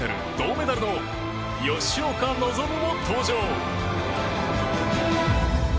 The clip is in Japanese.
メダルの吉岡希も登場。